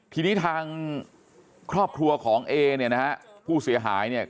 ทีนี้ทางครอบครัวของเอเนี่ยนะฮะผู้เสียหายเนี่ย